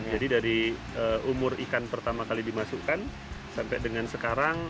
jadi dari umur ikan pertama kali dimasukkan sampai dengan sekarang